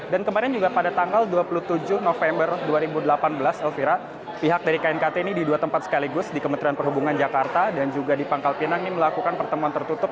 dan kemarin juga pada tanggal dua puluh tujuh november dua ribu delapan belas elvira pihak dari knkt ini di dua tempat sekaligus di kementerian perhubungan jakarta dan juga di pangkal pinang ini melakukan pertemuan tertutup